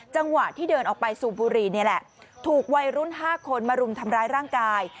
จังหวะที่เดินออกไปสูบบุรีนี่แหละถูกวัยรุ่น๕คนมารุมทำร้ายร่างกาย